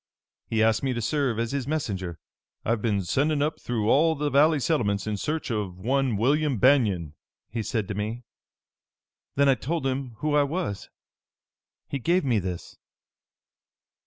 He asked me to serve as his messenger. 'I've been sending up through all the valley settlements in search of one William Banion,' he said to me. Then I told him who I was. He gave me this."